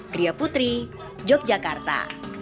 griha putri yogyakarta